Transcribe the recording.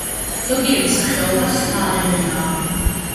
ზოგიერთი სახეობა სარეველაა.